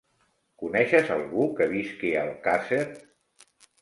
Coneixes algú que visqui a Alcàsser?